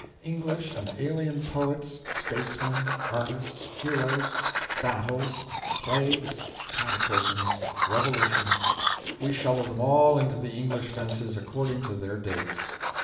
English and alien poets, statesmen, artists, heroes, battles, plagues, cataclysms, revolutions—we shoveled them all into the English fences according to their dates.